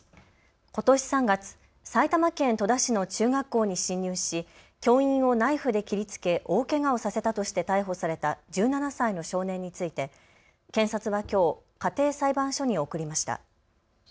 ことし３月、埼玉県戸田市の中学校に侵入し教員をナイフで切りつけ大けがをさせたとして逮捕された１７歳の少年について検察はきょう家庭裁判所に送りました。